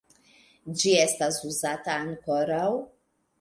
Ĝi estas uzata ankoraŭ.